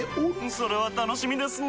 それは楽しみですなぁ。